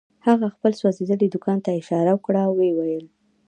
هغه خپل سوځېدلي دوکان ته اشاره وکړه او ويې ويل.